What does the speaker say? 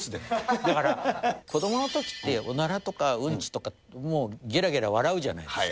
だから、子どものときっておならとかうんちとかげらげら笑うじゃないですか。